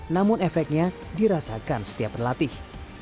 namun efeknya dirasakan setiap berlatih